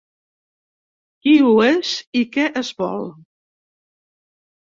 Qui ho és i que es vol?